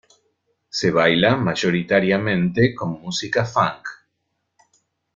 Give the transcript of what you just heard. Se baila mayoritariamente con música Funk.